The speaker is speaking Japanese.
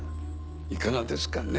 いかがですかね？